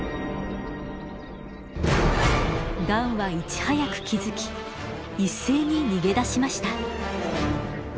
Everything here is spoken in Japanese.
ガンはいち早く気付き一斉に逃げ出しました。